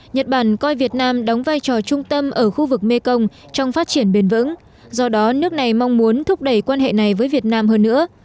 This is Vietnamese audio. nhật bản coi việt nam đóng vai trò trung tâm ở khu vực mekong trong phát triển bền vững do đó nước này mong muốn thúc đẩy quan hệ này với việt nam hơn nữa